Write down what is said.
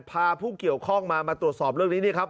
พาผู้เกี่ยวข้องมามาตรวจสอบเรื่องนี้นี่ครับ